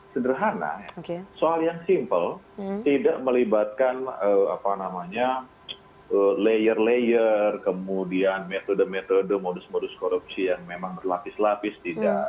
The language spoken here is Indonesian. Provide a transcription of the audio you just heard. sederhana soal yang simpel tidak melibatkan apa namanya layer layer kemudian metode metode modus modus korupsi yang memang berlapis lapis tidak